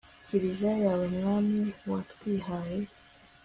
kiliziya yawe mwami watwihaye